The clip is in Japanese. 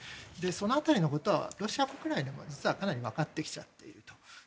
その辺りのことはロシア国内でも実はかなり分かってきている。